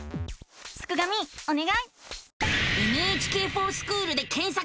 すくがミおねがい！